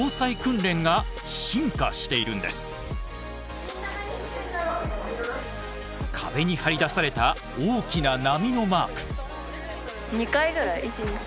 今壁に貼り出された大きな波のマーク！